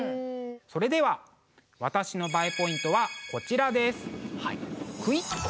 それでは私のＢＡＥポイントはこちらです！